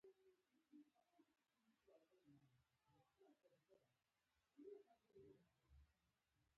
په غلامي نظام کې استثمار ډیر شدید او له تاوتریخوالي ډک و.